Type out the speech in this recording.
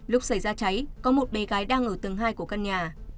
lúc xảy ra cháy có một bé gái đang ở tầng hai của căn nhà